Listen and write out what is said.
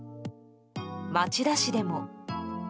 町田市でも。